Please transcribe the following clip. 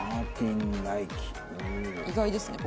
意外ですね